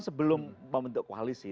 sebelum membentuk koalisi